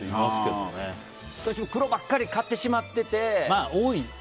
どうしても黒ばっかり買ってしまってて。